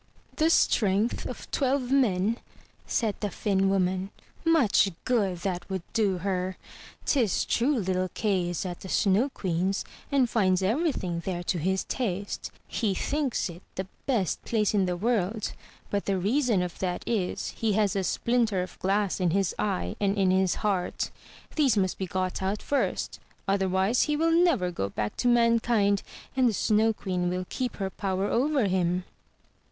'' "The strength of twelve men!" said the Finn woman; "much good that would do her! 'Tis true little Kay is at the Snow Queen's and finds everything there to his taste; he thinks it the best place in the world, but the reason of that is, he has a splin ter of glass in his eye and in his heart. These must be got out first; otherwise, he will never go back to mankind, and the Snow Queen will keep her power over him."